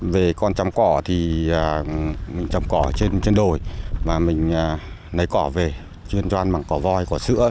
về con chấm cỏ thì mình chấm cỏ trên đồi và mình lấy cỏ về chuyên doan bằng cỏ voi cỏ sữa